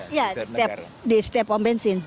iya di setiap pom bensin